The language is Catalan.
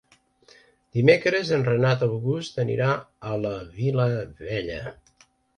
Dimecres en Renat August anirà a la Vilavella.